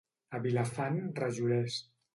A Vilafant, rajolers.